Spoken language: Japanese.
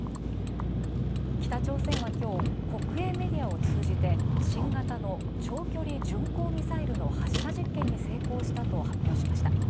北朝鮮はきょう国営メディアを通じて新型の長距離巡航ミサイルの発射実験に成功したと発表しました。